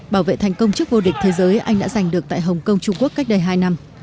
bảo vệ thành công trước vô địch thế giới anh đã giành được tại hồng kông trung quốc cách đây hai năm